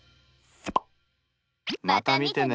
また見てね。